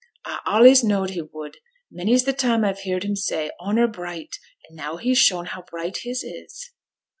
'A allays knowed he would. Many's the time a've heerd him say "honour bright," and now he's shown how bright his is.'